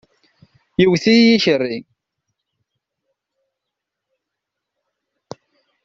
Yewwet-iyi yikerri.